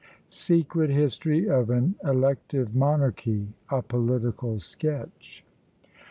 SECRET HISTORY OF AN ELECTIVE MONARCHY. A POLITICAL SKETCH.